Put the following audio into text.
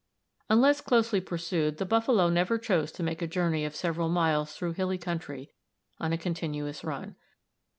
Unless closely pursued, the buffalo never chose to make a journey of several miles through hilly country on a continuous run.